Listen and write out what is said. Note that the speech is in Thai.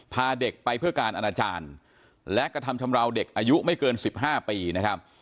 พาเด็กไปเพื่อการอนาจารย์และกระทำชำราวเด็กอายุไม่เกิน๑๕ปีนะครับ